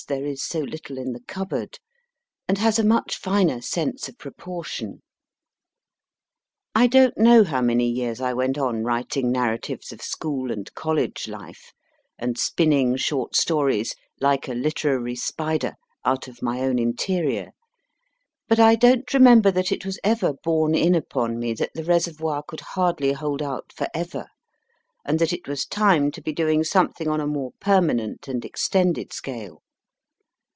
there is so little in the cupboard), and has a much finer sense of proportion. > i6 MY FIRST BOOK I don t know how many years I went on writing narra tives of school and college life, and spinning short stones, like a literary spider, out of my own interior, but I don t remember that it was ever borne in upon me that the reservoir could hardly hold out for ever, and that it was time to be doing something on a more permanent and extended scale.